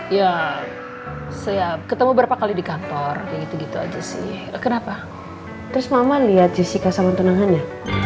ya saya ketemu berapa kali di kantor kayak gitu gitu aja sih kenapa terus mama lihat jessica sama tunangannya